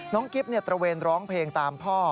กิ๊บตระเวนร้องเพลงตามพ่อ